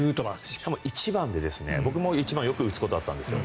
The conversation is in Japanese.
しかも１番で僕も１番よく打つことあったんですよ。